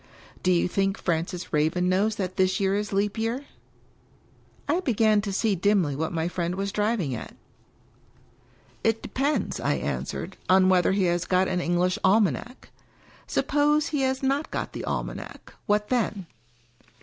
" Do you think Francis Raven knows that this year is Leap Year ?" (I began to see dimly what my friend was driving at.) "It depends," I answered, "on whether he has got an English almanac. Suppose he has not got the almanac — what then?"